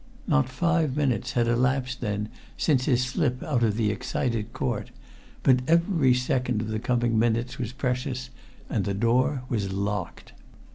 Not five minutes had elapsed then since his slip out of the excited court. But every second of the coming minutes was precious. And the door was locked.